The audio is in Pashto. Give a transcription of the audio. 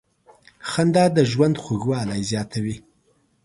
• خندا د ژوند خوږوالی زیاتوي.